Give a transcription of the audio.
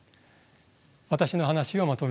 私の話をまとめます。